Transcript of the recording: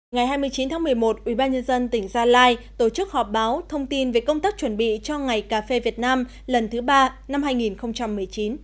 ngày hai mươi chín tháng một mươi một ubnd tỉnh gia lai tổ chức họp báo thông tin về công tác chuẩn bị cho ngày cà phê việt nam lần thứ ba năm hai nghìn một mươi chín